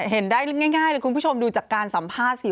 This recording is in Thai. เห็นได้ง่ายเลยคุณผู้ชมดูจากการสัมภาษณ์สิ